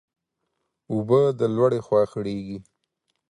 اوبه د لوړي خوا خړېږي.